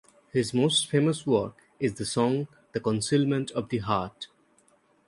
His most famous work is the song "The Concealment of the Heart".